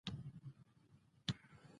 خو ایران وايي دا سوله ییز دی.